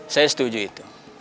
saya setuju itu